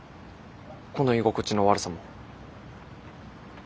この居心地の悪さも。